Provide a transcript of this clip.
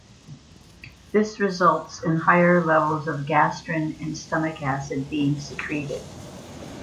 This results in higher levels of gastrin and stomach acid being secreted.